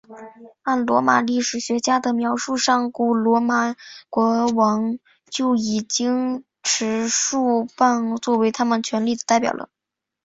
按罗马历史学家的描述上古罗马国王就已经持束棒作为他们权力的代表了。